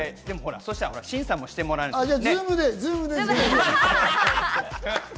そしたら審査もしてもらえないとね。